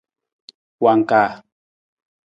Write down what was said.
Wangkaa.